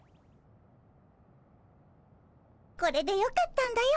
これでよかったんだよ